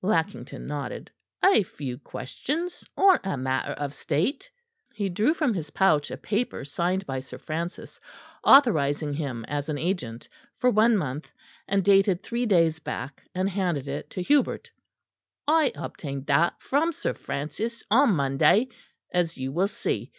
Lackington nodded. "A few questions on a matter of state." He drew from his pouch a paper signed by Sir Francis authorising him as an agent, for one month, and dated three days back; and handed it to Hubert. "I obtained that from Sir Francis on Monday, as you will see.